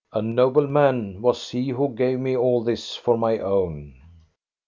" A noble man was he who gave me all this for my own."